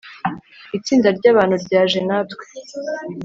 itsinda ryabantu ryaje natwe